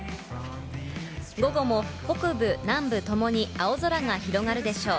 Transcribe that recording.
午後も北部、南部ともに青空が広がるでしょう。